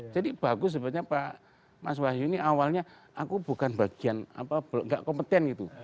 jadi bagus sebenarnya pak mas wahyuni awalnya aku bukan bagian apa gak kompeten gitu